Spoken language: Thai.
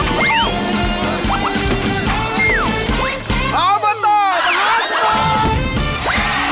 เอามาต่อมหาสนุก